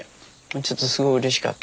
ちょっとすごいうれしかった。